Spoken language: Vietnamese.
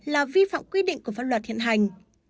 là vi phạm quy định của pháp luật hiện hành